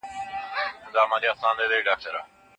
موږ پرون یوه علمي تجربه وکړه.